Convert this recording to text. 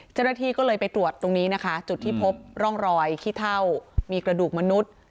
เจ้าหน้าที่ก็เลยไปตรวจตรงนี้นะคะจุดที่พบร่องรอยขี้เท่ามีกระดูกมนุษย์